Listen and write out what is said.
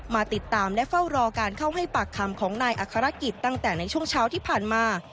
มาติดตามและเฝ้ารอการเข้าให้ปากคำของนายอัครกิจตั้งแต่ในช่วงเช้าที่ผ่านมา